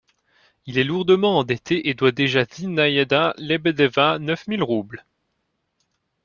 Il est lourdement endetté et doit déjà à Zinaïda Lebedeva neuf mille roubles.